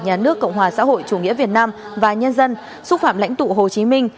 nhà nước cộng hòa xã hội chủ nghĩa việt nam và nhân dân xúc phạm lãnh tụ hồ chí minh